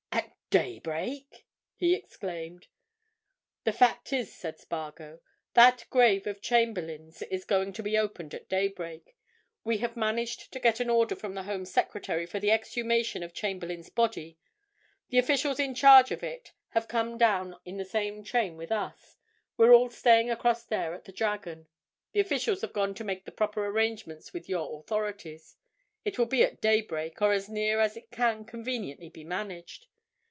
"At daybreak?" he exclaimed. "The fact is," said Spargo, "that grave of Chamberlayne's is going to be opened at daybreak. We have managed to get an order from the Home Secretary for the exhumation of Chamberlayne's body: the officials in charge of it have come down in the same train with us; we're all staying across there at the 'Dragon.' The officials have gone to make the proper arrangements with your authorities. It will be at daybreak, or as near it as can conveniently be managed.